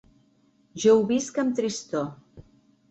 Jo ho visc amb tristor.